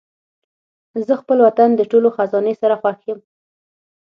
زه خپل وطن د ټولو خزانې سره خوښ یم.